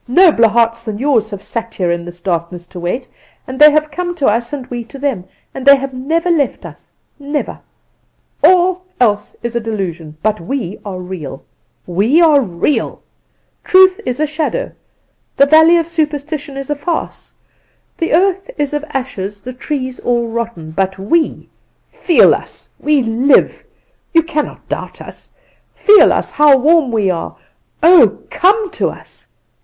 Nobler hearts than yours have sat here in this darkness to wait, and they have come to us and we to them; and they have never left us, never. All else is a delusion, but we are real, we are real, we are real. Truth is a shadow; the valleys of superstition are a farce: the earth is of ashes, the trees all rotten; but we feel us we live! You cannot doubt us. Feel us how warm we are! Oh, come to us!